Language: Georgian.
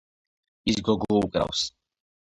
ის გოგო უკრავს